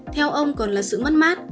theo ông còn là sự mất mát